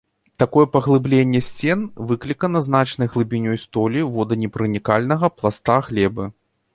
Такое паглыбленне сцен выклікана значнай глыбінёй столі воданепранікальнага пласта глебы.